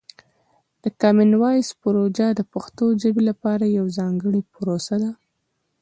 د کامن وایس پروژه د پښتو ژبې لپاره یوه ځانګړې پروسه ده.